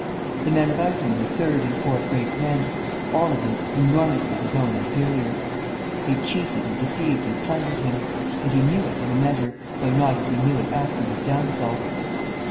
The men about him were third and fourth rate men, all of them enormously his own inferiors. They cheated and deceived and plundered him; and he knew it in a measure, though not as he knew it after his downfall.